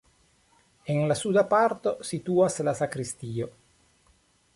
En la suda parto situas la sakristio.